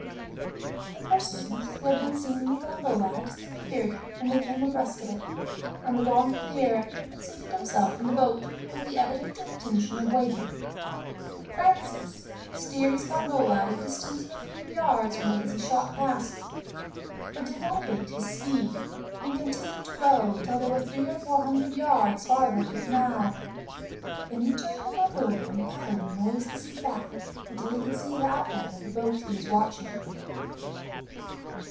The persons who had been seen in the gondola had disappeared when they came abreast of it, and the gondolier had seated himself in the boat, with the evident intention of waiting. Francis steered his gondola at a distance of a few yards from it as he shot past, but did not abate his speed, and continued to row till they were three or four hundred yards farther up the canal. Then he turned the gondola, and paddled noiselessly back until he could see the outline of the boat he was watching.